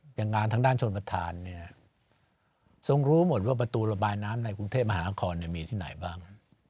อย่างงานทางด้านชนประธานเนี่ยทรงรู้หมดว่าประตูระบายน้ำในกรุงเทพมหานครมีที่ไหนบ้าง